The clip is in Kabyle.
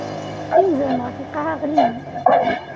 Imezran ɣef lqaɛa ɣlin.